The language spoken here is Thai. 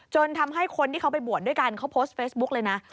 จนทำให้คนที่เขาไปบวชด้วยกันเขาโพสต์เฟซบุ๊กเลยนะ